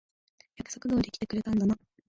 約束通り来てくれたんだな。